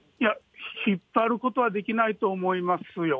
引っ張ることはできないと思いますよ。